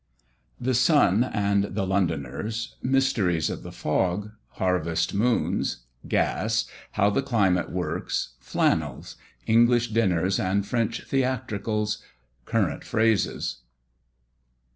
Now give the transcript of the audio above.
THE SUN AND THE LONDONERS. MYSTERIES OF THE FOG. HARVEST MOONS. GAS. HOW THE CLIMATE WORKS. FLANNELS. ENGLISH DINNERS AND FRENCH THEATRICALS. CURRENT PHRASES.